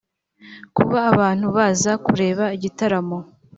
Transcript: Kuba abantu baza kureba igitaramo